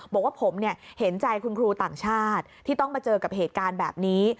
บอกว่าผมเห็นใจคุณครูต่างชาติที่ต้องมาเจอกับเหตุการณ์แบบนี้